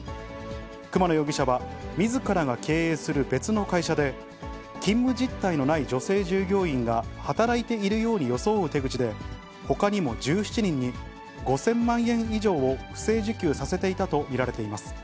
熊野容疑者は、みずからが経営する別の会社で、勤務実態のない女性従業員が働いているように装う手口で、ほかにも１７人に５０００万円以上を不正受給させていたと見られています。